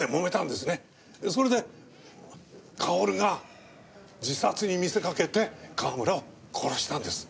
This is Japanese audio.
それでかおるが自殺に見せかけて川村を殺したんです。